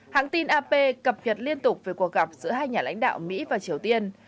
hãng tin ap cập nhật liên tục về cuộc gặp giữa hai nhà lãnh đạo mỹ và triều tiên